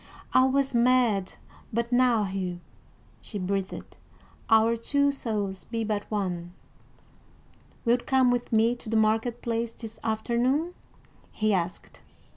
"I was mad but now, Hugh," she breathed. "Our two souls be but one." "Wilt come with me to the market place this afternoon?" he asked.